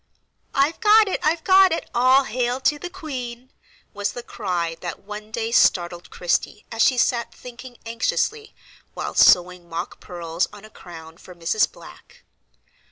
"I've got it! I've got it! All hail to the queen!" was the cry that one day startled Christie as she sat thinking anxiously, while sewing mock pearls on a crown for Mrs. Black.